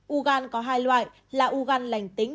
u gan có hai loại là u gan lành tính